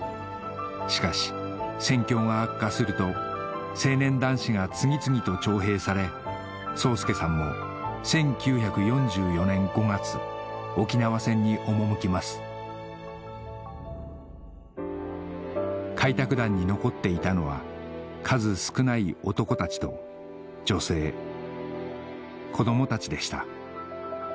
しかし戦況が悪化すると成年男子が次々と徴兵され壮助さんも１９４４年５月沖縄戦に赴きます開拓団に残っていたのは数少ない男たちと女性子供たちでした